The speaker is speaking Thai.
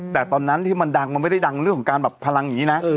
แต่ตอนนั้นที่มันดังมันไม่ได้ดังเรื่องของการแบบพลังอย่างนี้นะ